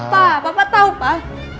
pak papa tahu pak